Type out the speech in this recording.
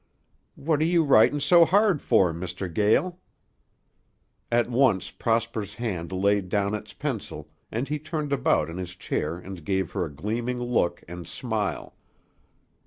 "What are you writin' so hard for, Mr. Gael?" At once Prosper's hand laid down its pencil and he turned about in his chair and gave her a gleaming look and smile.